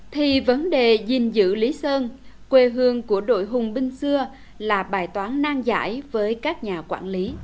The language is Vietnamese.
thì vấn đề gìn giữ lý sơn quê hương của đội hùng binh xưa là bài toán nang giải với các nhà quản lý